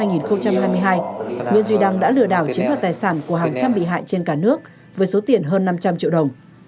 nguyễn duy đăng đã lừa đảo chiếm đoạt tài sản của hàng trăm bị hại trên cả nước với số tiền hơn năm trăm linh triệu đồng